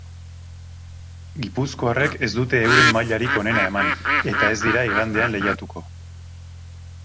Gipuzkoarrek ez dute euren mailarik onena eman, eta ez dira igandean lehiatuko.